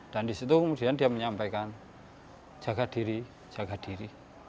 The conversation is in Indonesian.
dan di situ kemudian dia menyampaikan jaga diri jaga diri